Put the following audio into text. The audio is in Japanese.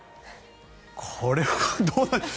これはどうなんでしょう。